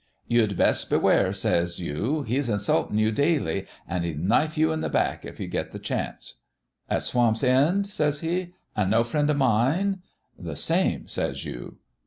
"'" You'd best beware," says you ;" he's in sultin' you daily, an' he'd knife you in the back if he got the chance." "'"At Swamp's End?" says he. "An' no friend o' mine?" "'" The same," says you.